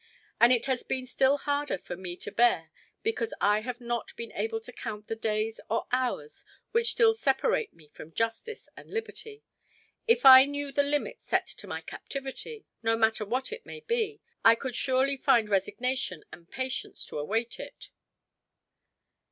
And it has been still harder for me to bear because I have not been able to count the days or hours which still separate me from justice and liberty. If I knew the limit set to my captivity no matter what it may be I could surely find resignation and patience to await it."